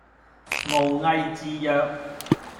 傲睨自若